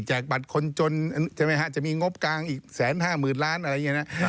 แจกบัตรคนจนจะมีงบกาง๑๕๐๐๐๐ล้านอะไรอย่างนี้นะ